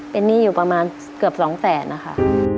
เป็นหนี้อยู่ประมาณเกือบ๒แสนนะคะ